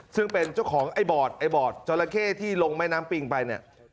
ซึ่งเป็นเจ้าของไอ้บอร์ดไอ้บอดจราเข้ที่ลงแม่น้ำปิงไปเนี่ย